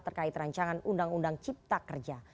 terkait rancangan undang undang cipta kerja